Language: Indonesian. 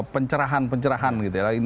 pencerahan pencerahan gitu ya